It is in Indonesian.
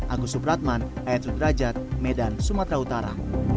agus subratman ayatudrajat medan sumatera utara